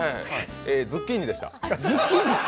ズッキーニでした。